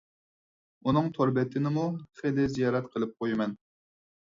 ئۇنىڭ تور بېتىنىمۇ خىلى زىيارەت قىلىپ قويىمەن.